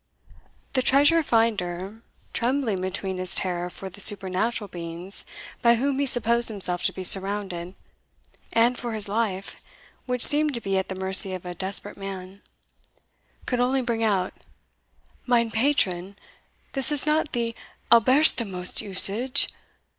The treasure finder, trembling between his terror for the supernatural beings by whom he supposed himself to be surrounded, and for his life, which seemed to be at the mercy of a desperate man, could only bring out, "Mine patron, this is not the allerbestmost usage.